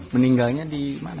meninggalnya di mana